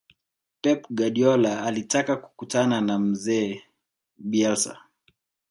pep guardiola alitaka kukutana na mzee bielsa